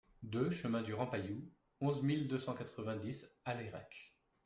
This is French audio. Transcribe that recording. deux chemin du Rampaillou, onze mille deux cent quatre-vingt-dix Alairac